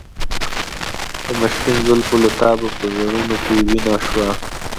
د مشکین زلفو له تابه په زړونو کې وینه شوه.